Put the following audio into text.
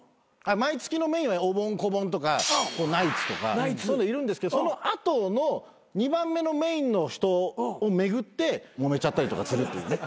毎月のメインはおぼん・こぼんとかナイツとかそういうのいるんですけどその後の２番目のメインの人を巡ってもめちゃったりとかするっていうね。